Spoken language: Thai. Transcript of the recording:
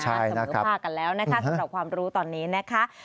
ใช่นะครับสมมุติภาคกันแล้วนะครับสำหรับความรู้ตอนนี้นะครับ